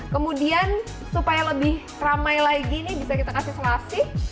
kemudian supaya lebih ramai lagi nih bisa kita kasih selasih